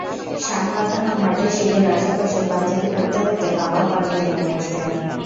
শানবাঁধানো ঘাটের সিঁড়ির আশপাশে পায়চারি করতে করতে বাবাও পানিতে নেমে আসতেন।